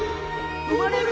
生まれる？